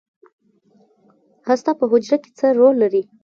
هسته په حجره کې څه رول لري؟